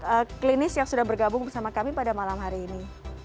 ah klinis yang sudah bergabung bersama kami pada malam hari ini